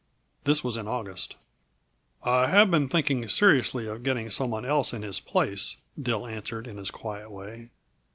This was in August. "I have been thinking seriously of getting some one else in his place," Dill answered, in his quiet way.